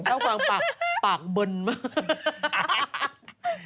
อ้าวต้องฟังปากเบิ่นมาก